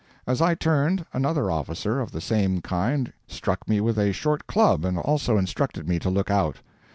As I turned, another officer of the same kind struck me with a short club and also instructed me to look out.